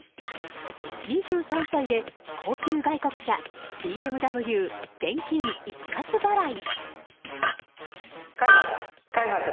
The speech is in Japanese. ２３歳で高級外国車ＢＭＷ現金一括払い。